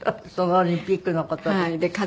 そのオリンピックの事で？